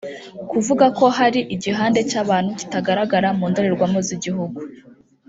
Kuvuga ko hari igihande cy’abantu kitagaragara mu ndorerwamo z’ igihugu